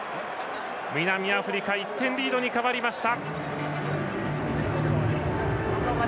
南アフリカ１点リードに変わりました。